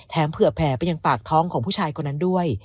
เผื่อแผ่ไปยังปากท้องของผู้ชายคนนั้นด้วย